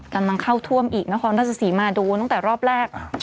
กำลังเข้าท่วมอีกนครราชศรีมาโดนตั้งแต่รอบแรก